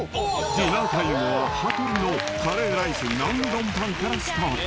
ディナータイムは、羽鳥のカレーライスナンうどんパンからスタート。